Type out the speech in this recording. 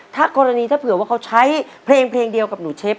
ถ้ากรณีถ้าเผื่อว่าเขาใช้เพลงเพลงเดียวกับหนูเชฟ